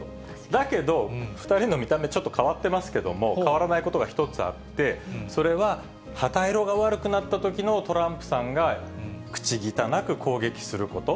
だけど、２人の見た目、ちょっと変わってますけども、変わらないことが１つあって、それは、旗色が悪くなったときのトランプさんが口汚く攻撃すること。